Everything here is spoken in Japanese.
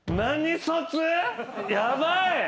ヤバい。